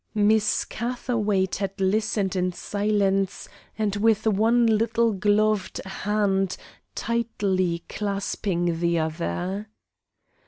Miss Catherwaight had listened in silence and with one little gloved hand tightly clasping the other.